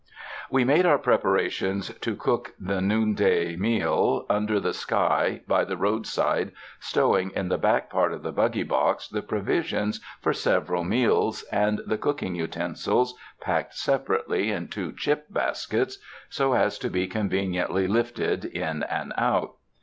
We made our preparations to cook the noonday 104 u < SPRING DAYS IN A CARRIAGE meal under the sky by the roadside, stowing in the back part of the buggy box the provisions for sev eral meals, and the cooking utensils, packed sepa rately in two chip baskets, so as to be conveniently lifted in and out.